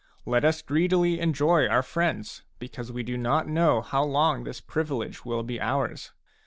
Let us greedily enjoy our friends, because we do not know how long this privilege will be ours.